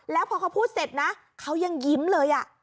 แล้วพอเขาพูดเสร็จนะเขายังยิ้มเลย